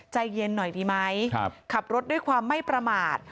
ใจเย็นหน่อยดีไหมขับรถด้วยความไม่ประมาท